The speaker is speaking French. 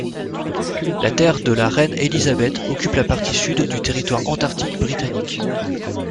La terre de la Reine-Élisabeth occupe la partie sud du territoire antarctique britannique.